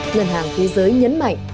ngân hàng thế giới nhấn mạnh